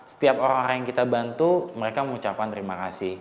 setiap orang orang yang kita bantu mereka mengucapkan terima kasih